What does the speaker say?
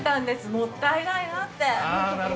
もったいないなって。